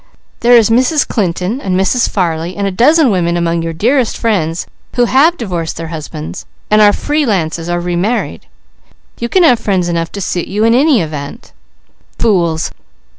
There is Mrs. Clinton and Mrs. Farley, and a dozen women among your dearest friends who have divorced their husbands, and are free lances or remarried; you can have friends enough to suit you in any event." "Fools!